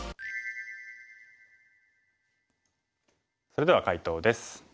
それでは解答です。